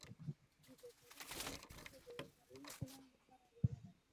د بشري حقونو زده کړه د یوې سالمې ټولنې لپاره اړینه ده.